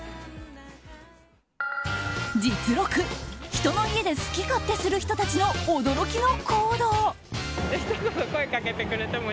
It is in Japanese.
人の家で好き勝手する人たちの驚きの行動。